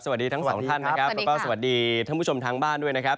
สวัสดีทั้งสองท่านสวัสดีทั้งผู้ชมทางบ้านด้วยนะครับ